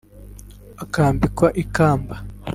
akambikwa ikamba